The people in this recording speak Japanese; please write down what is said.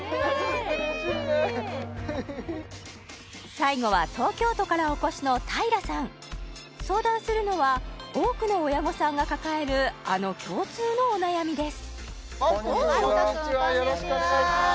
最後は東京都からお越しの平さん相談するのは多くの親御さんが抱えるあの共通のお悩みです